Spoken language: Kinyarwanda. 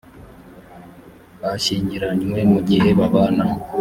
bashyingiranywe mu gihe babana